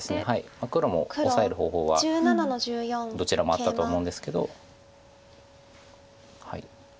黒もオサえる方法はどちらもあったとは思うんですけど。